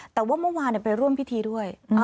แต่ว่าเมื่อวานไปร่วมพิธีด้วย